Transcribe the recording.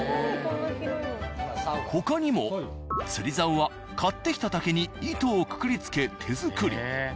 他にも釣り竿は買ってきた竹に糸をくくりつけ手作り。